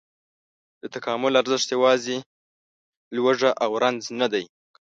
د تکامل ارزښت یواځې لوږه او رنځ نه دی.